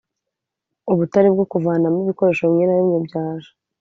ubutare bwo kuvanamo ibikoresho bimwe na bimwe byaje